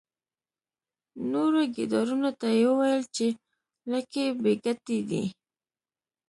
نورو ګیدړانو ته یې وویل چې لکۍ بې ګټې دي.